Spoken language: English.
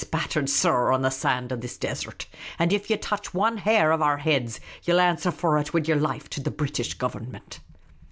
spattered, sor, on the sand of this desert ! And if ye touch wan hair of our heads, ye '11 answer for it wid yer life to the British Government."